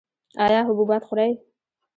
ایا حبوبات خورئ؟